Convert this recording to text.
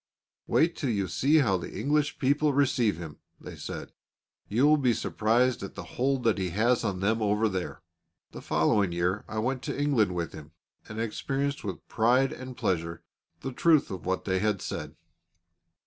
"Wait till you see how the English people receive him," they said; "you will be surprised at the hold that he has on them over there." The following year I went to England with him, and experienced with pride and pleasure the truth of what they had said.